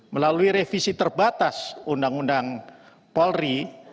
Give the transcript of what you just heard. melalui revisi terbatas undang undang polri